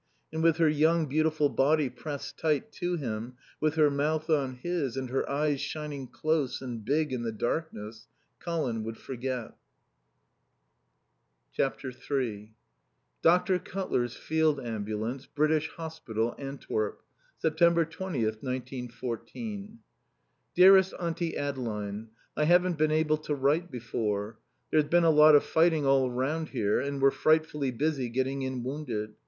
And with her young, beautiful body pressed tight to him, with her mouth on his and her eyes shining close and big in the darkness, Colin would forget. iii Dr. Cutler's Field Ambulance, British Hospital, Antwerp. September 20th, 1914. Dearest Auntie Adeline, I haven't been able to write before. There's been a lot of fighting all round here and we're frightfully busy getting in wounded.